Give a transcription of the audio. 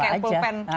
yang kayak pulpen